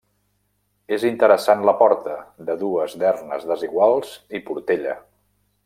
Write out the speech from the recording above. És interessant la porta, de dues dernes desiguals i portella.